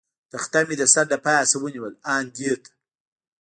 تخته مې د سر له پاسه ونیول، آن دې ته.